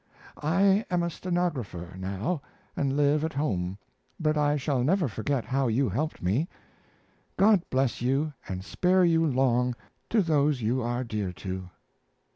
I am a stenographer now and live at home, but I shall never forget how you helped me. God bless you and spare you long to those you are dear to.